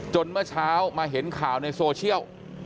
เมื่อเช้ามาเห็นข่าวในโซเชียล